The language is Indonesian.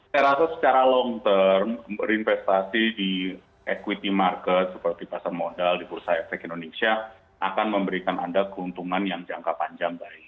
saya rasa secara long term investasi di equity market seperti pasar modal di bursa efek indonesia akan memberikan anda keuntungan yang jangka panjang